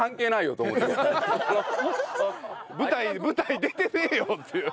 舞台出てねえよっていう。